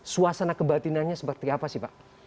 suasana kebatinannya seperti apa sih pak